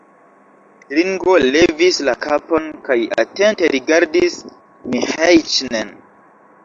Ringo levis la kapon kaj atente rigardis Miĥeiĉ'n.